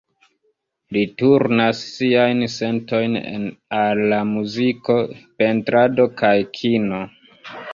Li turnas siajn sentojn al la muziko, pentrado kaj kino.